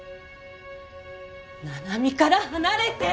七海から離れて！